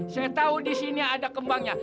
saya tahu di sini ada kembangnya